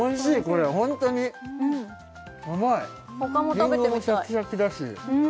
リンゴもシャキシャキだし